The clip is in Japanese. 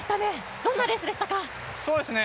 どんなレースでしたか？